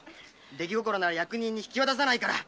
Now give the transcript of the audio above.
出来心なら役人には引き渡さないから。